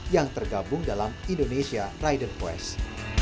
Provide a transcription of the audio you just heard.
yang tergabung dalam indonesia rider quest